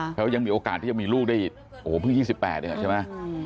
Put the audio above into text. โอเคแล้วยังมีโอกาสที่จะมีลูกได้เอาพรุ่งยี่สิบแปดเนี้ยใช่ไหม